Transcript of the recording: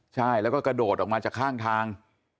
ใช่แล้วก็กระโดดออกมาจากข้างทาง